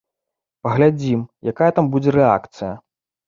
Паглядзім, якая там будзе рэакцыя.